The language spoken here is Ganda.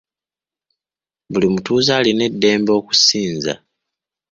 Buli mutuuze alina eddembe okusinza.